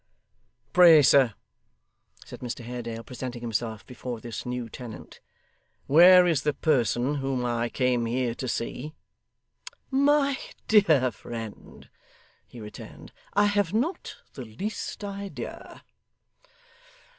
'Pray, sir,' said Mr Haredale, presenting himself before this new tenant, 'where is the person whom I came here to see?' 'My dear friend,' he returned, 'I have not the least idea.